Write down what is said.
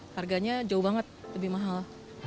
harganya jauh banget lebih mahal